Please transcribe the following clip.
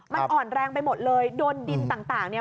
มันอ่อนแรงไปหมดเลยโดนดินต่างเนี่ย